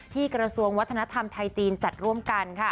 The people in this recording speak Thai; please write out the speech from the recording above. กระทรวงวัฒนธรรมไทยจีนจัดร่วมกัน